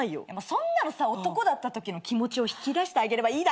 そんなの男だったときの気持ちを引き出してあげればいいだけなの。